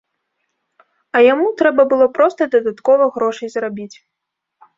А яму трэба было проста дадаткова грошай зарабіць.